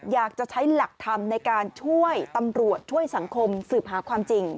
อยากจะใช้หลักธรรมในการช่วยตำรวจช่วยสังคมสืบหาความจริง